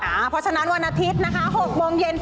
เพราะฉะนั้นวันอาทิตย์นะคะ๖โมงเย็น